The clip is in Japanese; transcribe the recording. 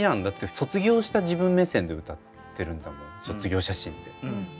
だって卒業した自分目線で歌ってるんだもん「卒業写真」って。